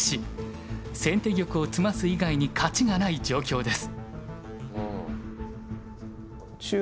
先手玉を詰ます以外に勝ちがない状況です。